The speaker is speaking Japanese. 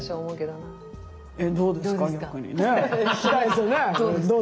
どうですか？